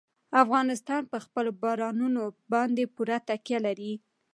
افغانستان په خپلو بارانونو باندې پوره تکیه لري.